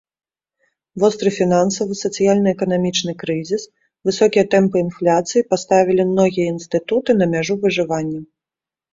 Востры фінансавы, сацыяльна-эканамічны крызіс, высокія тэмпы інфляцыі паставілі многія інстытуты на мяжу выжывання.